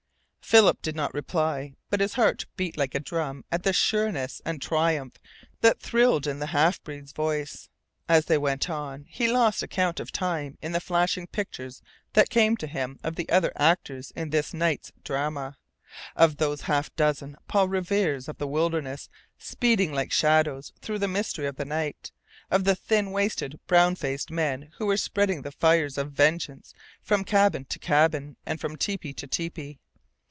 Philip did not reply. But his heart beat like a drum at the sureness and triumph that thrilled in the half breed's voice. As they went on, he lost account of time in the flashing pictures that came to him of the other actors in this night's drama; of those half dozen Paul Reveres of the wilderness speeding like shadows through the mystery of the night, of the thin waisted, brown faced men who were spreading the fires of vengeance from cabin to cabin and from tepee to tepee.